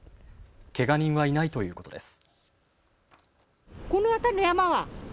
けが人はいないということです。